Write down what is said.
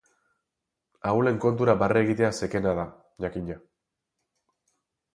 Ahulen kontura barre egitea zekena da, jakina.